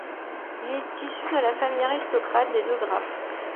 Il est issu de la famille aristocrate des de Graeff.